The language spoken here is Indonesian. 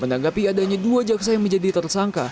menanggapi adanya dua jaksa yang menjadi tersangka